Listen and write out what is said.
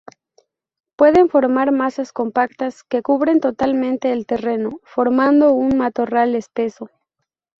Pueden formar masas compactas que cubren totalmente el terreno, formando un matorral espeso.